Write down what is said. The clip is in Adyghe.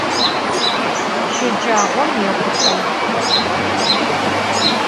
Şecağom yêxhulh'eu.